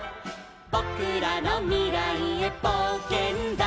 「ぼくらのみらいへぼうけんだ」